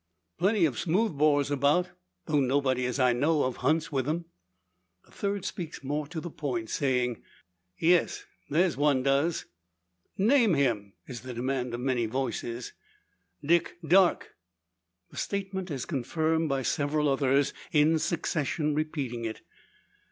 "Plenty of smooth bores about, though nobody as I knows of hunts with them." A third speaks more to the point, saying: "Yes; there's one does." "Name him!" is the demand of many voices. "Dick Darke!" The statement is confirmed by several others, in succession repeating it.